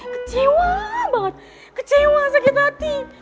kecewa banget kecewa sakit hati